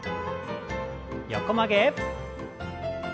横曲げ。